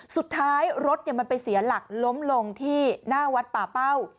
สุดท้ายรถมันไปเสียหลักล้มลงที่หน้าวัดป่าเป้า